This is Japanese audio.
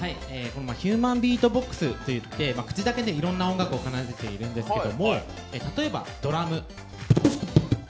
ヒューマンビートボックスといって口だけでいろんな音楽を奏でているんですけど例えばドラム。